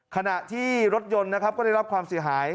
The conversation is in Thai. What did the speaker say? ขณะที่รถยนต์นะครับก็ได้รับความเสียหาย